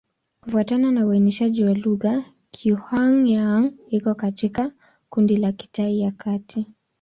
Kufuatana na uainishaji wa lugha, Kizhuang-Yang iko katika kundi la Kitai ya Kati.